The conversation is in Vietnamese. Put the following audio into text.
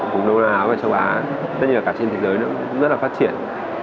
vùng đông nam á hoặc là sâu á tất nhiên là cả trên thế giới nữa cũng rất là phát triển